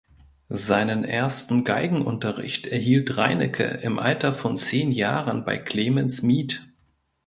Seinen ersten Geigenunterricht erhielt Reinecke im Alter von zehn Jahren bei Clemens Mieth.